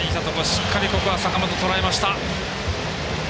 しっかりここは坂本、とらえました。